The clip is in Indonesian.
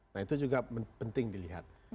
nah itu juga penting dilihat